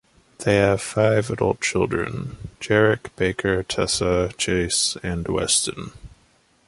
They have five adult children, Jarek, Baker, Tessa, Chase and Weston.